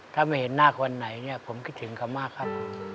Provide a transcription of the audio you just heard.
ถ้าไม่เห็นหน้าคนไหนเนี่ยผมคิดถึงเขามากครับ